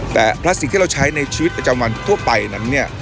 แต่พลาสติกที่เราใช้ในชีวิตประจำวันทั่วไปนั้นเนี่ย